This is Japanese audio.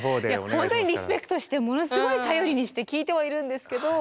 本当にリスペクトしてものすごい頼りにして聞いてはいるんですけど。